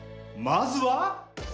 まずは。